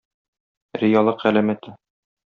Риялык галәмәте.